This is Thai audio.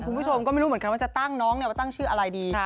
คุณผู้ชมก็ไม่รู้เหมือนกันว่าจะตั้งน้องมาตั้งชื่ออะไรดี